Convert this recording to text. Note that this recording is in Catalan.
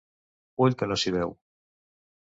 Ull que no s'hi veu.